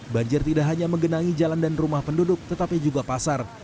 banjir tidak hanya menggenangi jalan dan rumah penduduk tetapi juga pasar